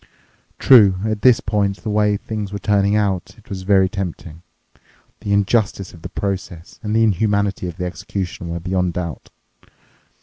True, at this point the way things were turning out it was very tempting. The injustice of the process and the inhumanity of the execution were beyond doubt.